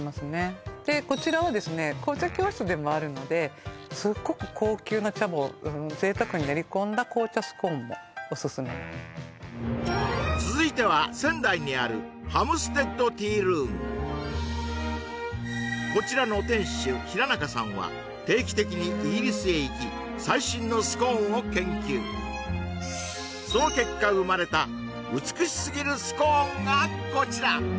紅茶教室でもあるのですっごく高級な茶葉を贅沢に練り込んだ紅茶スコーンもオススメ続いては仙台にあるこちらの店主平中さんは定期的にイギリスへ行き最新のスコーンを研究その結果生まれた美しすぎるスコーンがこちら